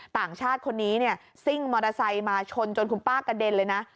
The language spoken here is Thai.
ต่างชาติคนนี้เนี่ยซิ่งมอเตอร์ไซค์มาชนจนคุณป้ากระเด็นเลยนะ